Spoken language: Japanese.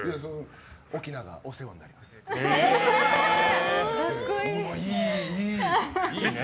奥菜がお世話になりますって。